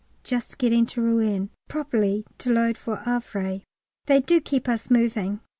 Just getting to Rouen, probably to load for Havre. They do keep us moving.